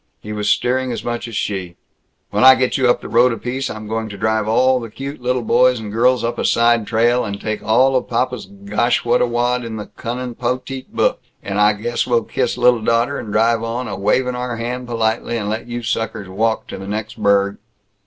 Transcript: He was steering as much as she. "When I get you up the road a piece I'm going to drive all the cute lil boys and girls up a side trail, and take all of papa's gosh what a wad in the cunnin' potet book, and I guess we'll kiss lil daughter, and drive on, a wavin' our hand politely, and let you suckers walk to the next burg."